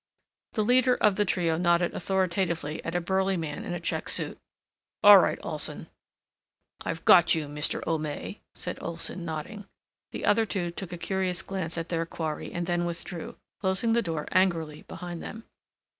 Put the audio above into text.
The leader of the trio nodded authoritatively at a burly man in a check suit. "All right, Olson." "I got you, Mr. O'May," said Olson, nodding. The other two took a curious glance at their quarry and then withdrew, closing the door angrily behind them.